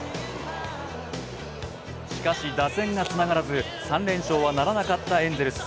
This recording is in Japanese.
しかし打線がつながらず３連勝はならなかったエンゼルス。